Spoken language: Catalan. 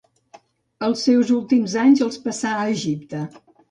Els seus últims anys els va passar a Egipte.